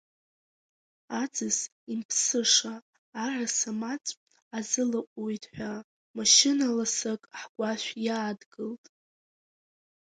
Аӡыс имԥсыша араса-маҵә азылаҟәуеит ҳәа, машьына ласык ҳгәашә иаадгылт.